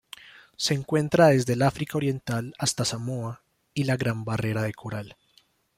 Se encuentra desde el África Oriental hasta Samoa y la Gran Barrera de Coral.